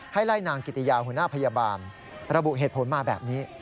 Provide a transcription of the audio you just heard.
ไล่นางกิติยาหัวหน้าพยาบาลระบุเหตุผลมาแบบนี้